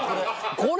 これ。